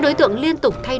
đến những nơi sang chảnh